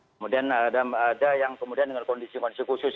kemudian ada yang kemudian dengan kondisi kondisi khusus